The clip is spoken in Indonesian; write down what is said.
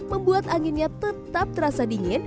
membuat anginnya tetap terasa dingin